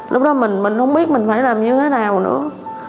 lúc đó mình không biết mình phải làm như thế nào nữa